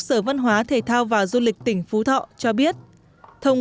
sở văn hóa thể thao và du lịch tỉnh trà vinh